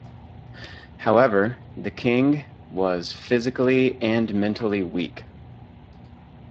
However, the king was physically and mentally weak.